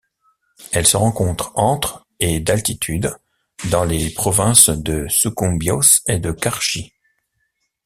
Elle se rencontre entre et d'altitude dans les provinces de Sucumbíos et de Carchi.